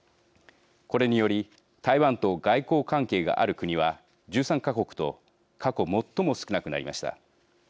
これにより台湾と外交関係がある国は１３か国と過去最も少なくなりました。